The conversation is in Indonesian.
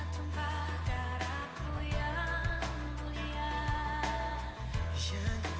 tuhan di atasku